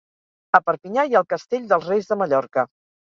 A Perpinyà hi ha el Castell dels Reis de Mallorca